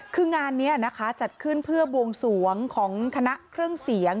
คืองานนี้นะคะจัดขึ้นเพื่อบวงสวงของคณะเครื่องเสียง